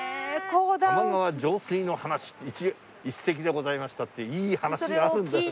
「玉川上水の話一席でございました」っていういい話があるんだよ。